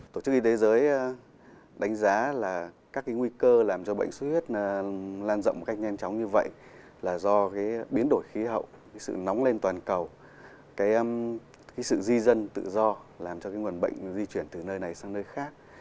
tổ chức y tế giới đánh giá là các nguy cơ làm cho bệnh xuất huyết lan rộng một cách nhanh chóng như vậy là do biến đổi khí hậu sự nóng lên toàn cầu sự di dân tự do làm cho nguồn bệnh di chuyển từ nơi này sang nơi khác